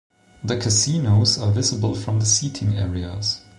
The casinos are visible from the seating areas.